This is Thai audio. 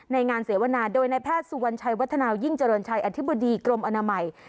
ในงานเสวนาโดยในแพทย์สุวรรณชัยวัฒนายิ่งเจริญชัยอธิบดีกรมอนามัย